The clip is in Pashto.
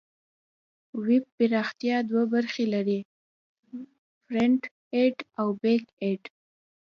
ویب پراختیا دوه برخې لري: فرنټ اینډ او بیک اینډ.